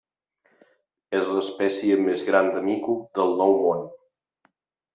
És l'espècie més gran de mico del Nou Món.